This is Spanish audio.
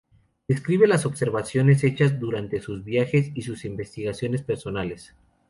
Describe las observaciones hechas durante sus viajes y sus investigaciones personales.